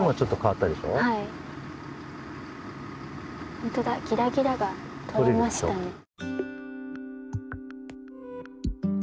ほんとだギラギラが取れましたね。